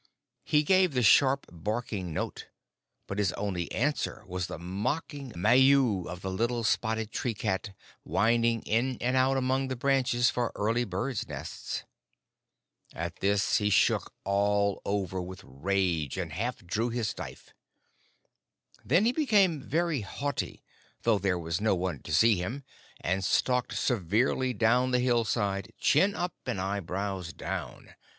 He gave the sharp, barking note, but his only answer was the mocking maiou of the little spotted tree cat winding in and out among the branches for early birds' nests. At this he shook all over with rage, and half drew his knife. Then he became very haughty, though there was no one to see him, and stalked severely down the hillside, chin up and eyebrows down.